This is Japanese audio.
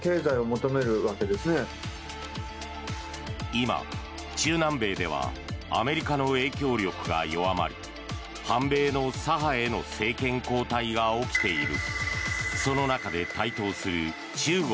今、中南米ではアメリカの影響力が弱まり反米の左派への政権交代が起きている。